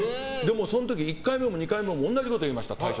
１回目も２回目も同じこと言いました。